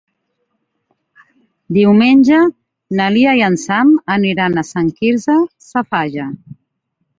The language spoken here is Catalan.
Diumenge na Lia i en Sam aniran a Sant Quirze Safaja.